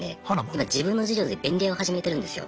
今自分の事業で便利屋を始めてるんですよ。